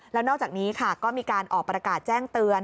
แล้วนอกจากนี้ค่ะก็มีการออกประกาศแจ้งเตือน